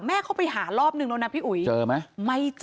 เข้าไปหารอบนึงแล้วนะพี่อุ๋ยเจอไหมไม่เจอ